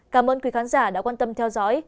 cảm ơn quý khán giả đã quan tâm theo dõi